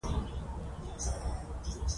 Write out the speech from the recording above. هغه وویل: جګړه په بري پای ته نه رسېږي.